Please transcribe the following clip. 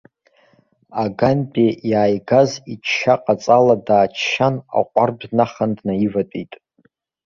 Агантәи иааигаз ичча-ҟаҵала дааччан, аҟәардә днахан днаиватәеит.